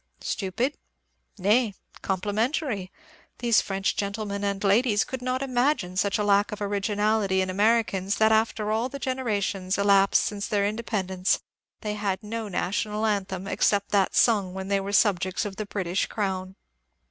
Stupid? Nay, complimentary. These French gentlemen and ladies could not imagine such a lack of originality in Americans that after all the generations elapsed since their independence they had no national anthem except that sung when they were subjects of the British crown.